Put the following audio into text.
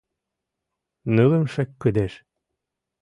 НЫЛЫМШЕ КЫДЕЖ